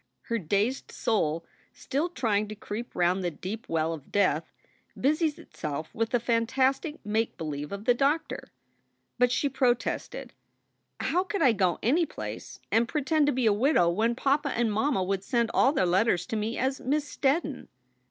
Her dazed soul, still trying to creep round the deep well of death, busied itself with the fantastic make believe of the doctor. But she protested: "How could I go any place and pretend to be a widow when papa and mamma would send all their letters to me as Miss Steddon?"